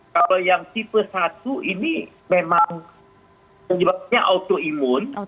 kalau yang tipe satu ini memang penyebabnya autoimun